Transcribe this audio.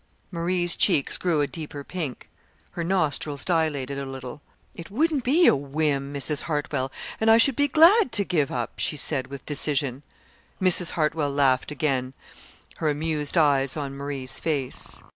Marie's cheeks grew a deeper pink. Her nostrils dilated a little. "It wouldn't be a 'whim,' Mrs. Hartwell, and I should be glad to give up," she said with decision. Mrs. Hartwell laughed again, her amused eyes on Marie's face.